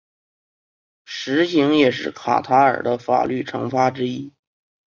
石刑也是卡塔尔的法律惩罚之一。